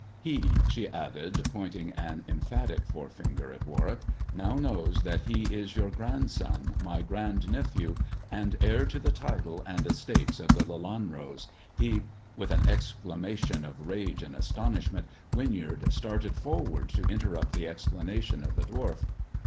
He," she added, pointing an emphatic forefinger at Warwick, "now knows that he is your grandson, my grand nephew, and heir to the title and estates of the Lelanros. He " With an exclamation of rage and astonishment, Win yard started forward to interrupt the explanation of the dwarf.